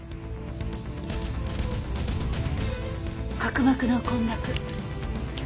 角膜の混濁。